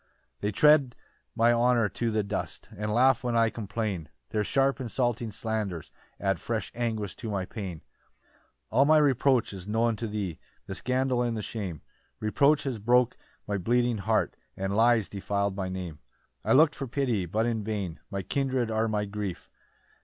5 "They tread my honour to the dust, "And laugh when I complain "Their sharp insulting slanders add "Fresh anguish to my pain. 6 "All my reproach is known to thee, "The scandal and the shame; "Reproach has broke my bleeding heart, "And lies defil'd my Name. 7 "I look'd for pity, but in vain; "My kindred are my grief!